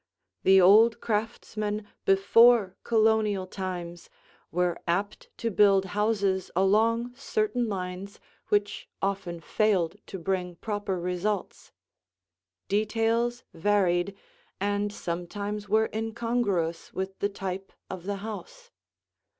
The old craftsmen before Colonial times were apt to build houses along certain lines which often failed to bring proper results; details varied and sometimes were incongruous with the type of the house.